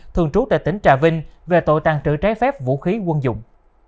thường trú tại tỉnh trà vinh về tội tàn trữ trái phép vũ khí quân dụng